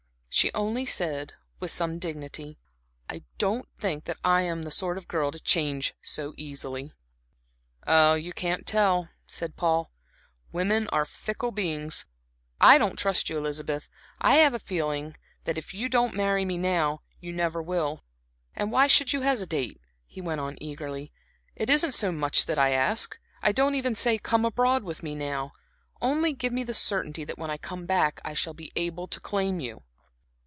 She only said, with some dignity: "I don't think that I am the sort of girl to change so easily." "Ah, you can't tell," said Paul. "Women are fickle beings. I don't trust you, Elizabeth. I have a feeling that, if you don't marry me now, you never will. And why should you hesitate?" he went on eagerly. "It isn't so much that I ask. I don't even say come abroad with me now; only give me the certainty that when I come back, I shall be able to claim you."